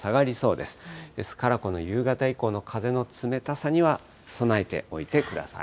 ですからこの夕方以降の風の冷たさには、備えておいてください。